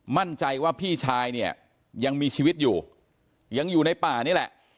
มั่นใจว่าพี่ชายเนี่ยยังมีชีวิตอยู่ยังอยู่ในป่านี่แหละ